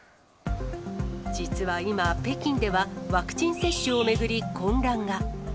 実は今、北京ではワクチン接種を巡り、混乱が。